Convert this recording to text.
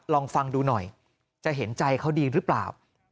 ลองฟังดูหน่อยจะเห็นใจเขาดีหรือเปล่า